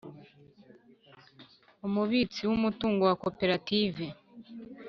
umubitsi w umutungo wa koperative